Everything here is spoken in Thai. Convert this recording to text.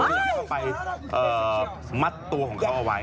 จะไปมัดตัวของเขาเอาไว้